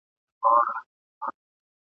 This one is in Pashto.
زه پخپلو وزرونو د تیارې پلو څیرمه !.